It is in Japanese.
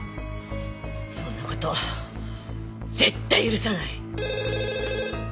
そんな事絶対許さない！